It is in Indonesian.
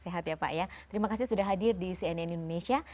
sehat ya pak ya terima kasih sudah hadir di cnn indonesia